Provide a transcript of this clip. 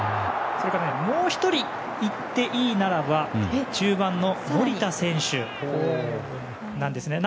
それから、もう１人言っていいならば中盤の守田選手です。